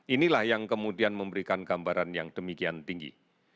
inilah yang kemudian memberikan gambaran yang demikian tinggi